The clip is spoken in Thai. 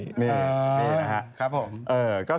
นี่นะครับนี่ครับผม